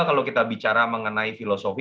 kalau kita bicara mengenai filosofi